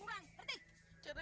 yang penting diganti